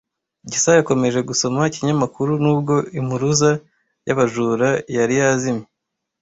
Gisa yakomeje gusoma ikinyamakuru nubwo impuruza y’abajura yari yazimye.